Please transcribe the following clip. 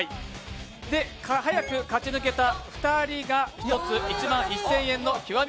早く勝ち抜けた２人が、１つ１万１０００円の極味